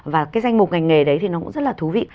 và cái danh mục ngành nghề đấy thì nó cũng rất là thú vị